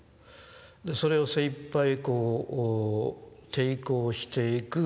それを精いっぱいこう抵抗していく。